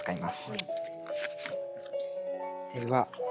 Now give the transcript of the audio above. はい。